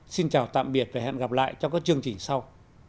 xin chào tạm biệt và hẹn gặp lại trong các chương trình sau